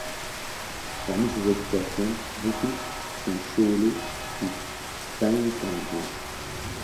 Parmi ces habitations, beaucoup sont chaulées ou peintes en blanc.